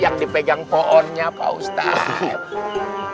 yang dipegang pohonnya pak ustadz